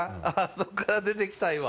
そこから出てきたい、今。